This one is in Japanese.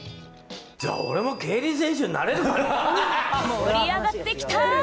盛り上がってきた！